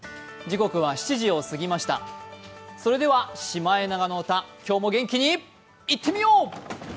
それでは「シマエナガの歌」今日も元気にいってみよう！